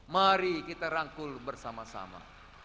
mari kita rangkul bersama sama